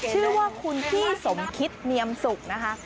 ชื่อว่าคุณพี่สมคิดเนียมสุกนะคะ